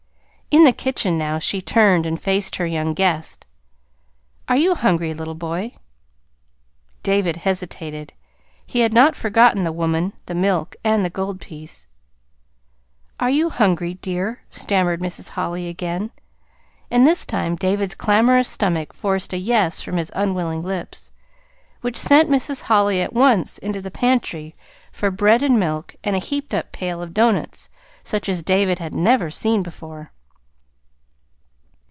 In the kitchen now she turned and faced her young guest. "Are you hungry, little boy?" David hesitated; he had not forgotten the woman, the milk, and the gold piece. "Are you hungry dear?" stammered Mrs. Holly again; and this time David's clamorous stomach forced a "yes" from his unwilling lips; which sent Mrs. Holly at once into the pantry for bread and milk and a heaped up plate of doughnuts such as David had never seen before.